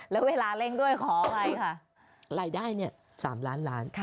แล้วเวลาเร่งด้วยขออะไรค่ะรายได้เนี่ย๓ล้านล้าน